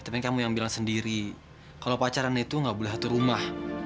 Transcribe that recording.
tapi kamu yang bilang sendiri kalau pacaran itu gak boleh satu rumah